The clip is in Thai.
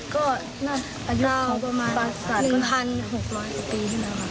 ก็อายุประมาณ๑๖๐๐ปี